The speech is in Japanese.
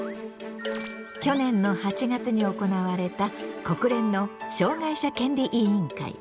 去年の８月に行われた国連の「障害者権利委員会」。